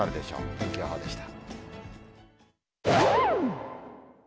天気予報でした。